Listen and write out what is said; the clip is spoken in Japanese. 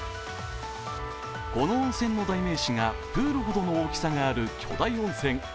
この温泉の代名詞がプールほどの大きさのある巨大温泉。